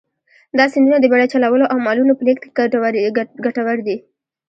دا سیندونه د بېړۍ چلولو او مالونو په لېږد کې کټوردي.